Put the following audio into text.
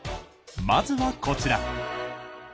まずはこちら。